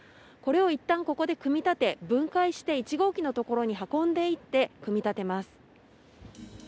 これを一旦ここで組み立て分解して１号機のところに運んでいって組み立てます。